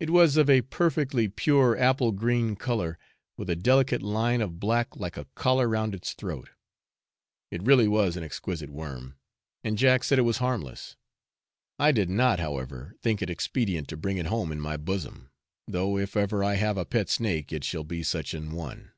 It was of a perfectly pure apple green colour, with a delicate line of black like a collar round its throat; it really was an exquisite worm, and Jack said it was harmless. I did not, however, think it expedient to bring it home in my bosom, though if ever I have a pet snake, it shall be such an one.